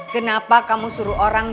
kenapa kamu suruh orang